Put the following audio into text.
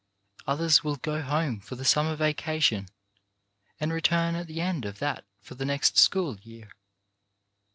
Others will go home for the summer vacation and return at the end of that for the next school year.